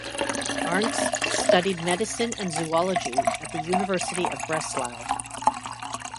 Arndst studied medicine and zoology at the University of Breslau.